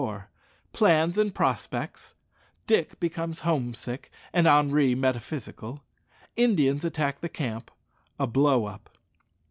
_Plans and prospects Dick becomes home sick, and Henri metaphysical Indians attack the camp A blow up.